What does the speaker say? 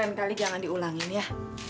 lain kali jangan diulangin ya